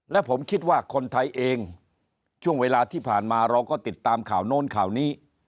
และผมคิดว่าคนไทยเองช่วงเวลาที่ผ่านมาเราก็ติดตามข่าวโน้นข่าวนี้